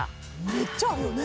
めっちゃあるよね？